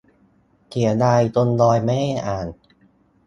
- เสียดายคนดอยไม่ได้อ่าน